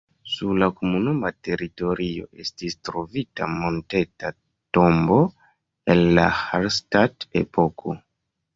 Sur la komunuma teritorio estis trovita monteta tombo el la Hallstatt-epoko.